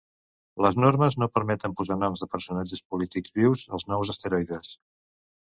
Les normes no permeten posar noms de personatges polítics vius als nous asteroides.